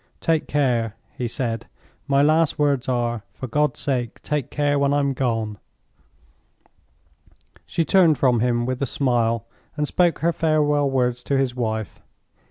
"Take care!" he said. "My last words are—for God's sake take care when I'm gone!" She turned from him with a smile, and spoke her farewell words to his wife.